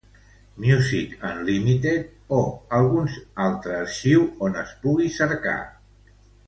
Music Unlimited, o algun altre arxiu on es pugui cercar.